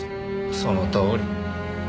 そのとおり。